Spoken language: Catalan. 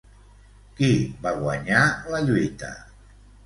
Qui va guanyar la lluita?